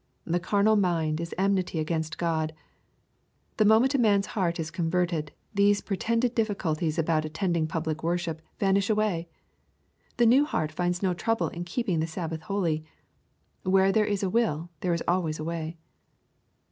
" The carnal mind is enmity against God." The moment a man's heart is converted, these pretended diflSculties about attending public worship vanish away. The new heart finds no trouble in keeping the Sabbath holy. Where there is a will there is always a way.